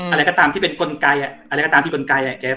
อะไรก็ตามที่เป็นกลไกอะไรก็ตามที่กลไก